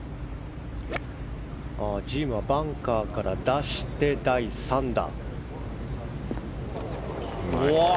ジームはバンカーから出して第３打。